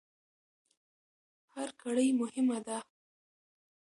هر کړۍ مهمه ده.